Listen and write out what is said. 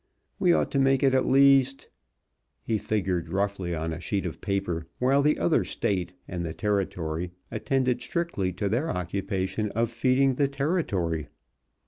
We ought to make it at least " He figured roughly on a sheet of paper, while the other State and the Territory attended strictly to their occupation of feeding the Territory.